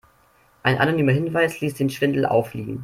Ein anonymer Hinweis ließ den Schwindel auffliegen.